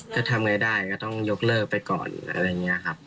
ก็ทำยังไงได้ก็ต้องยกเลิกไปก่อนอะไรอย่างนี้ครับ